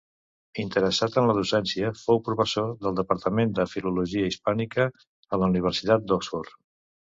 Interessat en la docència, fou professor del departament de Filologia hispànica a la Universitat d'Oxford.